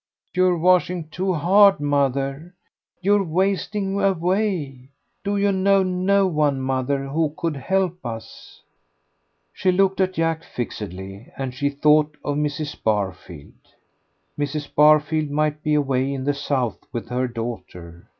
"You're washing too hard, mother. You're wasting away. Do you know no one, mother, who could help us?" She looked at Jack fixedly, and she thought of Mrs. Barfield. Mrs. Barfield might be away in the South with her daughter.